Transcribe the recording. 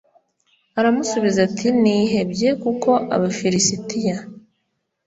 Aramusubiza ati nihebye kuko abafilisitiya